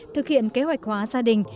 thực hiện kế hoạch hóa gia đình